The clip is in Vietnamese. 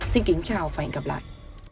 xin kính chào và hẹn gặp lại